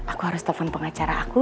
aku harus telpon pengacara aku